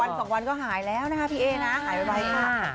สองวันก็หายแล้วนะคะพี่เอ๊นะหายไวค่ะ